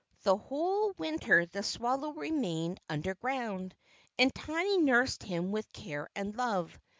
The whole Winter the swallow remained underground, and Tiny nursed him with care and love.